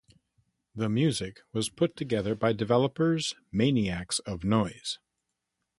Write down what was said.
The music was put together by developers Maniacs of Noise.